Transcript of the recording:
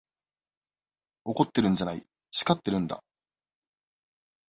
怒ってるんじゃない、叱ってるんだ。